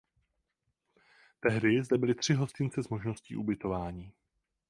Tehdy zde byly tři hostince s možností ubytování.